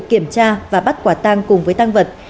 kiểm tra và bắt quả tang cùng với tăng vật